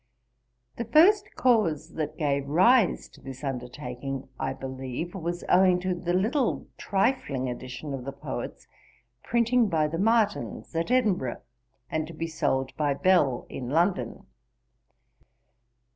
The first cause that gave rise to this undertaking, I believe, was owing to the little trifling edition of The Poets, printing by the Martins, at Edinburgh, and to be sold by Bell, in London.